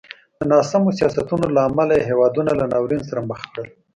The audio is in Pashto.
د ناسمو سیاستونو له امله یې هېوادونه له ناورین سره مخ کړل.